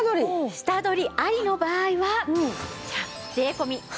下取りありの場合は。